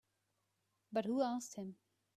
But who asked him?